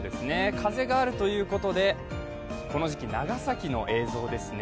風があるということで、この時期長崎の映像ですね。